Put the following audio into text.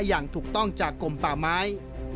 อย่างถูกต้องจากกลมป่าไม้